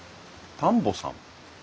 田んぼさん？